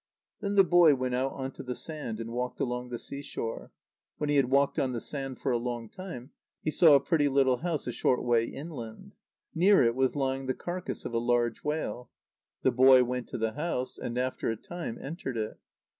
Then the boy went out on to the sand, and walked along the sea shore. When he had walked on the sand for a long time, he saw a pretty little house a short way inland. Near it was lying the carcase of a large whale. The boy went to the house, and after a time entered it.